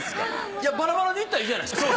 いやバラバラで行ったらいいじゃないですか。